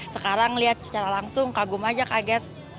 sekarang lihat secara langsung kagum aja kaget